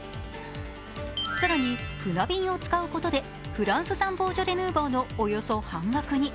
更に船便を使うことで、フランス産ボージョレ・ヌーボーのおよそ半額に。